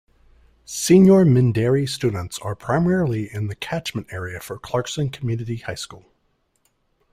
Senior Mindarie students are primarily in the catchment area for Clarkson Community High School.